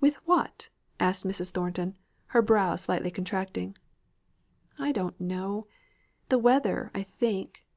"With what?" asked Mrs. Thornton, her brow slightly contracting. "I don't know the weather, I think.